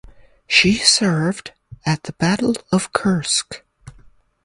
She served at the Battle of Kursk.